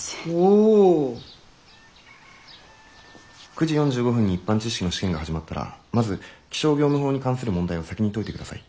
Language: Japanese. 「９時４５分に一般知識の試験が始まったらまず気象業務法に関する問題を先に解いてください。